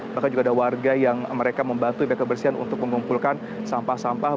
maka juga ada warga yang mereka membantu pihak kebersihan untuk mengumpulkan sampah sampah